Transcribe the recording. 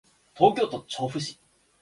東京都調布市